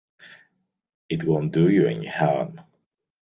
It won't do you any harm.